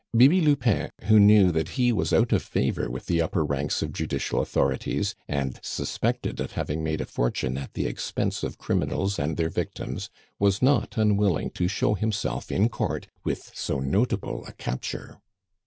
Bibi Lupin, who knew that he was out of favor with the upper ranks of judicial authorities, and suspected of having made a fortune at the expense of criminals and their victims, was not unwilling to show himself in Court with so notable a capture.